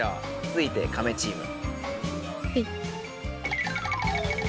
つづいてカメチーム。